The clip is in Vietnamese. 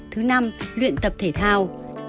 thứ năm luyện tập thể thao